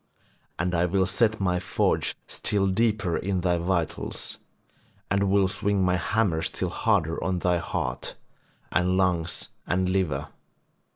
And I will set my forge still deeper in thy vitals, and will swing my hammer still harder on thy heart and lungs and liver.